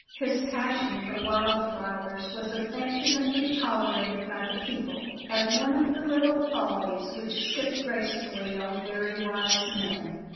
His passion for wild flowers was affectionately tolerated by the people, as one of the little follies which sit gracefully on very wise men.